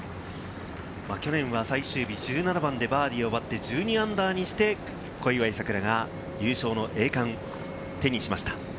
去年は最終日、１７番でバーディーを奪って、−１２にして、小祝さくらが優勝の栄冠を手にしました。